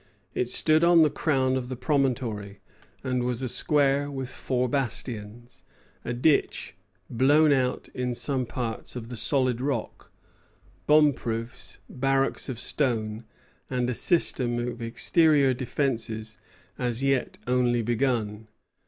It stood on the crown of the promontory, and was a square with four bastions, a ditch, blown in some parts out of the solid rock, bomb proofs, barracks of stone, and a system of exterior defences as yet only begun.